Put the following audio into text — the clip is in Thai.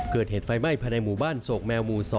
เกิดเหตุไฟไหม้ภายในหมู่บ้านโศกแมวหมู่๒